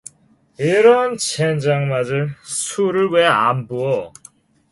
이런 젠장맞을 술을 왜 안 부어.